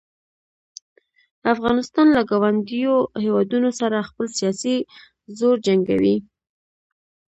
افغانستان له ګاونډیو هیوادونو سره خپل سیاسي زور جنګوي.